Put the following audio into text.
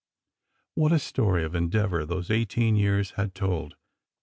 What a story of endeavor those eighteen years had told.